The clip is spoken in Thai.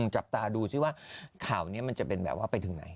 จับตาดูซิว่าข่าวนี้จะเป็นไปถึงไหน